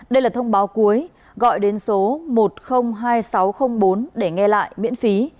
đây là thông báo cuối gọi đến số một trăm linh hai nghìn sáu trăm linh bốn để nghe lại miễn phí